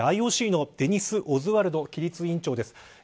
ＩＯＣのデニス・オズワルド規律委員長です。